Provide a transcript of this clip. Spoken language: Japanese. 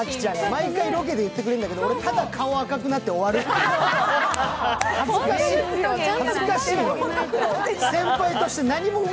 毎回ロケで言ってくれるんだけど、俺、ただ顔が赤くなって終わるという。